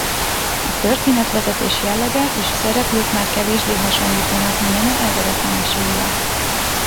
A történetvezetés jellege és a szereplők már kevésbé hasonlítanak Milne eredeti meséire.